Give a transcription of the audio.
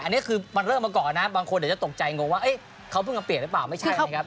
อันนี้คือมันเริ่มมาก่อนนะบางคนเดี๋ยวจะตกใจงงว่าเขาเพิ่งมาเปลี่ยนหรือเปล่าไม่ใช่นะครับ